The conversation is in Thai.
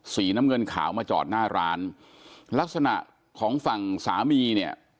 สีน้ำเงินขาวมาจอดหน้าร้านลักษณะของฝั่งสามีเนี่ย